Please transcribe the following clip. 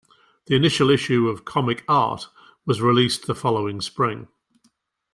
The initial issue of "Comic Art" was released the following spring.